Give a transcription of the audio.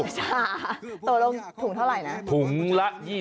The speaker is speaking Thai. ถั่วโรงถูกเท่าไร